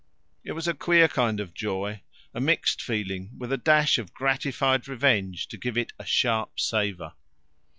It was a queer kind of joy, a mixed feeling with a dash of gratified revenge to give it a sharp savour.